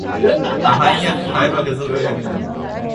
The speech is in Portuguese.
a rainha com raiva resolveu remendar